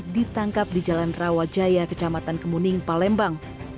ditangkap di jalan rawajaya kecamatan kemuning palembang